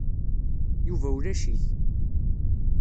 Yuba ulac-it.